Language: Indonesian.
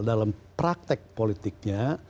dalam praktek politiknya